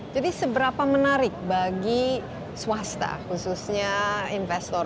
jadi seberapa menarik bagi swasta khususnya investor